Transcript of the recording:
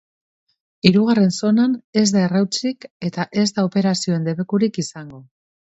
Hirugarren zonan ez da errautsik eta ez da operazioen debekurik izango.